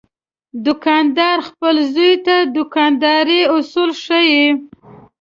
دوکاندار خپل زوی ته د دوکاندارۍ اصول ښيي.